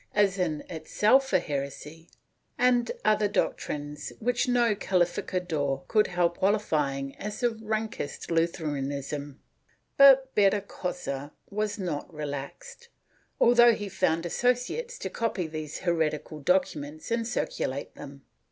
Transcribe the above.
Ill] FOREIGNERS 467 was in itself a heresy, and other doctrines which no calificador could help qualifying as the rankest Lutheranism, but Berrocosa was not relaxed, although he found associates to copy these heretical documents and circulate them.